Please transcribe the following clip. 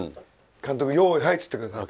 監督「用意はい」っつってください。